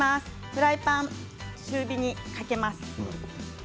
フライパン中火にかけます。